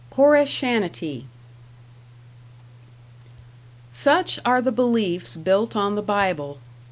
#Koreshanity# Such are the beliefs built on the Bible.